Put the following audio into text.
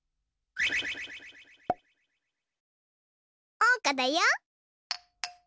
おうかだよ。